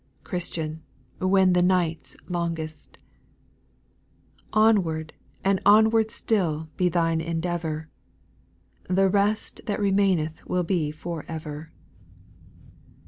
Christian, when the night 's longest ; Onward and onward still be thine endeavour, The rest that remaineth will be for ever.